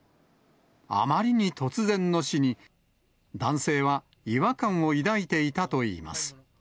あまりに突然の死に、男性は違和感を抱いていたといいます。